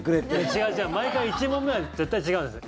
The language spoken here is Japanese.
違う違う、毎回１問目は絶対違うんですよ。